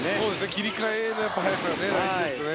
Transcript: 切り替えの早さが大事ですね。